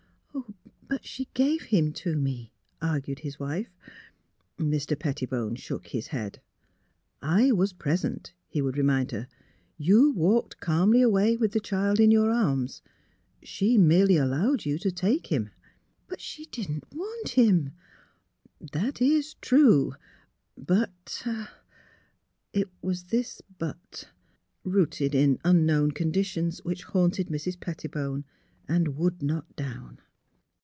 '' But — she gave him to me," argued his mfe. Mr. Pettibone shook his head. '* I was present," he would remind her. " You walked calmly away with the child in your arms ; she merely allowed you to take him." " She didn't want him." '* That is true, but " It was this '' but," rooted in unknown condi tions, which haunted Mrs. Pettibone, and would not down.